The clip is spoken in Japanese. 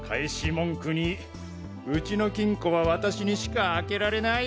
文句に「ウチの金庫は私にしか開けられない！